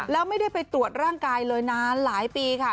แล้วไม่ได้ไปตรวจร่างกายเลยนานหลายปีค่ะ